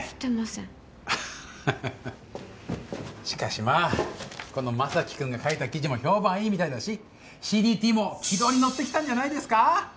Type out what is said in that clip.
しかしまあこの将貴君が書いた記事も評判いいみたいだしＣＤＴも軌道に乗ってきたんじゃないですか？